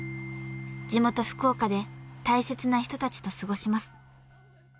［地元福岡で大切な人たちと過ごします］